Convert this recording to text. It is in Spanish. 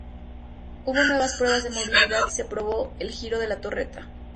Hubo nuevas pruebas de movilidad y se probó el giro de la torreta.